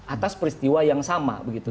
atas peristiwa yang sama begitu